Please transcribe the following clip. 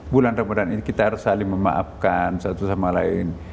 bulan ramadhan ini kita harus saling memaafkan satu sama lain